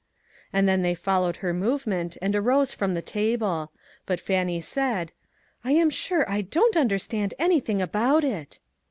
And then they followed her movement and arose from the table ; but Fannie said :" I am sure I don't understand anything about it."